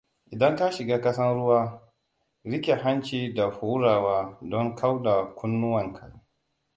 Idan ka shiga kasan ruwa, riƙe hanci da hurawa don kauda kunnuwan ka.